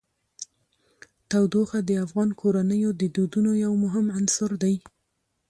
تودوخه د افغان کورنیو د دودونو یو مهم عنصر دی.